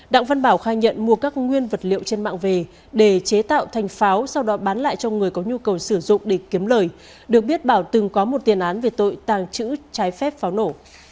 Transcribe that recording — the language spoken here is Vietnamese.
đặng văn bảo khai nhận mua các nguyên vật liệu trên mạng về để chế tạo thành pháo sau đó bán lại cho người có nhu cầu sử dụng để kiếm lời được biết bảo từng có một tiền án về tội tàng trữ trái phép pháo nổ